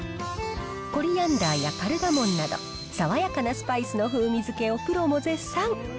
コリアンダーやカルダモンなど、爽やかなスパイスの風味づけをプロも絶賛。